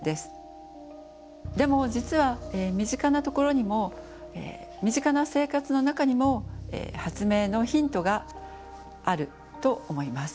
でも実は身近なところにも身近な生活の中にも発明のヒントがあると思います。